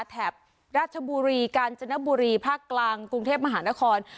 แถบราชบุรีกาญจนบุรีภาคกลางกรุงเทพมหานคร